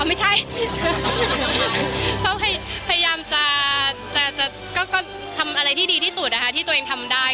พยายามจะทำอะไรที่ดีที่สุดที่ตัวเองทำได้